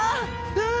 うん。